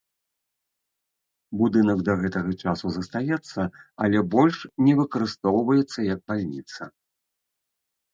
Будынак да гэтага часу застаецца, але больш не выкарыстоўваецца як бальніца.